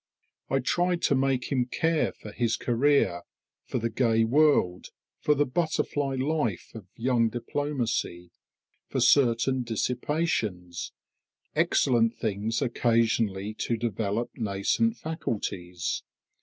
I tried to make him care for his career; for the gay world; for the butterfly life of young diplomacy; for certain dissipations, excellent things occasionally to develop nascent faculties.